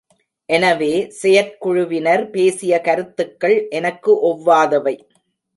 எனவே, செயற்குழுவினர் பேசிய கருத்துக்கள் எனக்கு ஒவ்வாதவை.